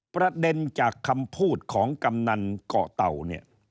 ประเด็นจากคำพูดของกำนันเกาะเต่าเนี่ย